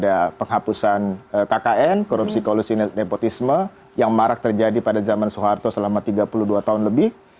dan kita minta ada penghapusan kkn korupsi kolusi nepotisme yang marak terjadi pada zaman suharto selama tiga puluh dua tahun lebih